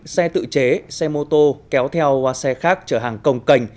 xe tự chế xe mô tô kéo theo xe khác chở hàng công cành